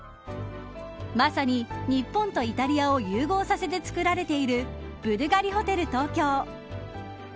まさに日本とイタリアを融合させて作られているブルガリホテル東京。